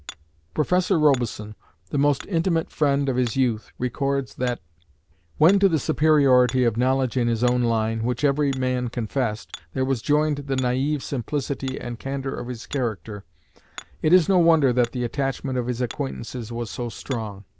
Professor Robison, the most intimate friend of his youth, records that: When to the superiority of knowledge in his own line, which every man confessed, there was joined the naïve simplicity and candour of his character, it is no wonder that the attachment of his acquaintances was so strong.